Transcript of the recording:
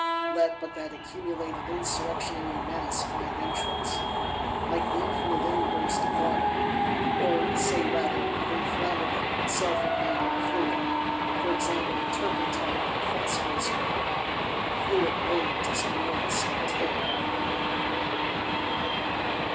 Let but that accumulated insurrectionary mass find entrance! Like the infinite inburst of water; or say rather, of inflammable, self igniting fluid; for example, "turpentine and phosphorus oil,"—fluid known to Spinola Santerre!